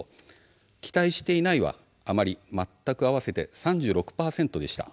期待していないは、あまり、全く合わせて３６％でした。